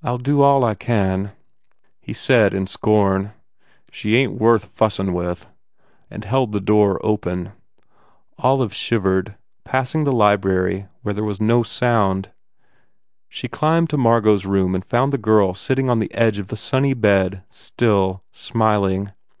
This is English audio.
"I ll do all I can/? He said in scorn, "She ain t worth fussin with," and held the door open. Olive shivered, passing the library where there was no sound. She 261 THE FAIR REWARDS climbed to Margot s room and found the girl sit ting on the edge of the sunny bed, still, smiling.